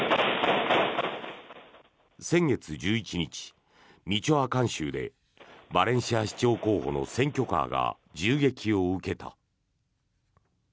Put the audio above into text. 先月１１日ミチョアカン州でバレンシア市長候補の選挙カーが銃撃を受けた。